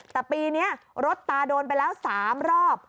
แต่ปีนี้รถตาโดนไปแล้ว๓รอบ